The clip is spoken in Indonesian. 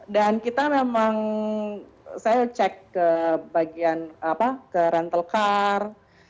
dan kita memang saya cek ke bagian rental car